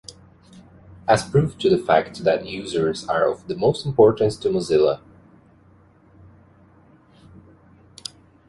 As proof to the fact that users are of the most importance to Mozilla.